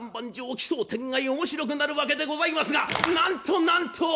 奇想天外面白くなるわけでございますがなんとなんと！